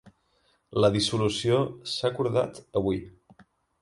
La dissolució s'ha acordat avui